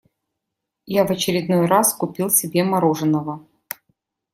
Я в очередной раз купил себе мороженного.